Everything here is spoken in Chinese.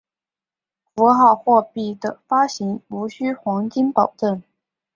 符号货币的发行无须黄金保证。